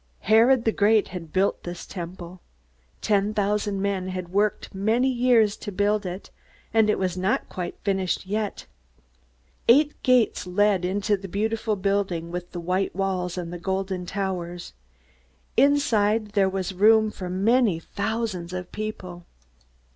Herod the Great had built this Temple. Ten thousand men had worked many years to build it, and it was not quite finished yet. Eight gates led into the beautiful building with the white walls and the golden towers. Inside there was room for many thousands of people.